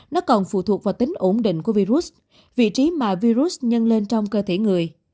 nó còn phụ thuộc vào tính ổn định của virus vị trí mà virus nhân lên trong cơ thể người